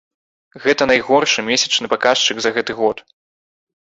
Гэта найгоршы месячны паказчык за гэты год.